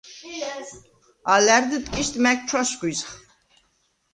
ალა̈რდ ტკისდ მა̈გ ჩვასგვიზხ.